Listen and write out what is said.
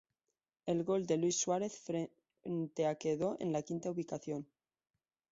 El gol de Luis Suárez frente a quedó en la quinta ubicación.